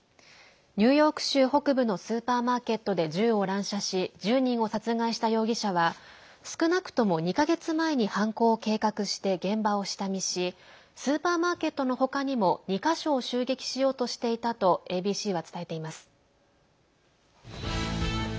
ニューヨーク州北部のスーパーマーケットで銃を乱射し１０人を殺害した容疑者は少なくとも２か月前に犯行を計画して現場を下見しスーパーマーケットのほかにも２か所を襲撃しようとしていたとＡＢＣは伝えています。